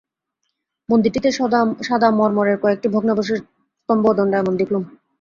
মন্দিরটিতে সাদা মর্মরের কয়েকটি ভগ্নাবশেষ স্তম্ভও দণ্ডায়মান দেখলুম।